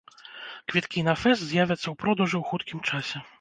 Квіткі на фэст з'явяцца ў продажы ў хуткім часе.